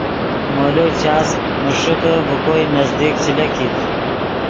مولو چاس من ݰیفے ڤے کوئے نزدیک چے لکیت